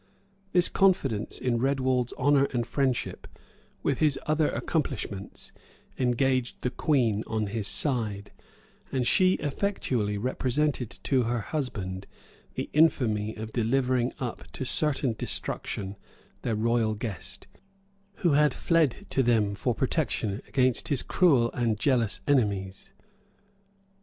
This confidence in Redwald's honor and friendship, with his other accomplishments, engaged the queen on his side; and she effectually represented to her husband the infamy of delivering up to certain destruction their royal guest, who had fled to them for protection against his cruel and jealous enemies.